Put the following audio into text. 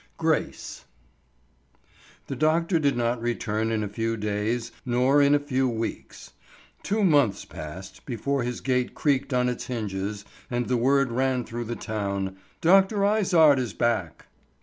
GRACE. THE doctor did not return in a few days nor in a few weeks. Two months passed before his gate creaked on its hinges and the word ran through the town, "Dr. Izard is back!"